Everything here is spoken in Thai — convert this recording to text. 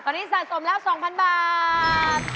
ตอนนี้สะสมแล้ว๒๐๐บาท